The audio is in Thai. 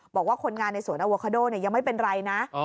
บอกว่าคนงานในสวนอโวคาโดยังไม่เป็นไรนะ